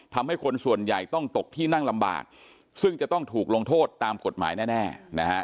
ทำให้คนส่วนใหญ่ต้องตกที่นั่งลำบากซึ่งจะต้องถูกลงโทษตามกฎหมายแน่นะฮะ